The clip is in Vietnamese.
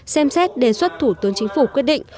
xem xét đề xuất thủ tướng chính phủ quyết định